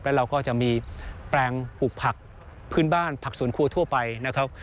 แล้วเราก็จะมีแปลงปลูกผักพื้นบ้านผักสวนครัวทั่วไปนะครับ